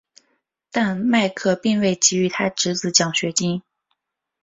但麦克并未给予他侄子奖学金。